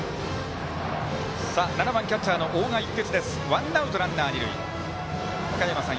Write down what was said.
７番、キャッチャーの大賀一徹。